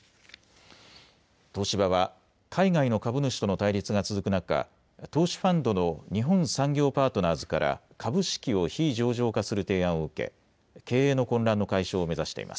東芝は海外の株主との対立が続く中、投資ファンドの日本産業パートナーズから株式を非上場化する提案を受け経営の混乱の解消を目指しています。